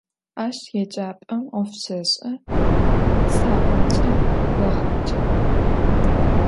Aş yêcap'em 'of şêş'e, hisapımç'e rêğacex.